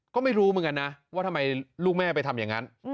ก็ไม่รู้เหมือนกันนะว่าทำไมลูกแม่ไปทำอย่างนั้น